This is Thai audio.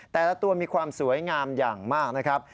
แต่ละตัวมีความสวยงามอย่างมากนะครับ